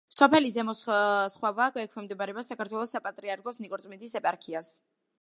სოფელი ზემო სხვავა ექვემდებარება საქართველოს საპატრიარქოს ნიკორწმინდის ეპარქიას.